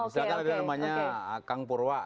misalnya ada yang namanya kang purwa